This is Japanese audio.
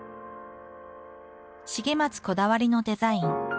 重松こだわりのデザイン。